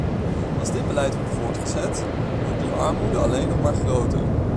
Als dit beleid wordt voortgezet, wordt die armoede alleen nog maar groter.